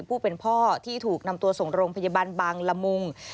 ผู้เป็นพ่อที่ถูกนำตัวส่งโรงพยาบาลบางละมุง